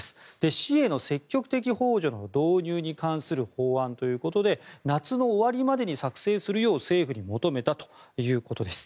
死への積極的ほう助の導入に関する法案ということで夏の終わりまでに作成するよう政府に求めたということです。